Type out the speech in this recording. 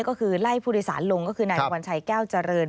ก็คือไล่ผู้โดยสารลงก็คือนายวัญชัยแก้วเจริญ